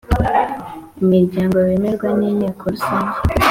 imiryango bemerwa n Inteko rusange